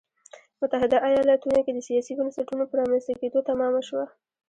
متحده ایالتونو کې د سیاسي بنسټونو په رامنځته کېدو تمامه شوه.